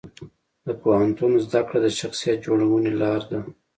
د پوهنتون زده کړه د شخصیت جوړونې لار ده.